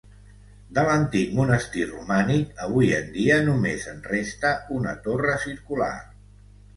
De l'antic monestir romànic avui en dia només en resta una torre circular.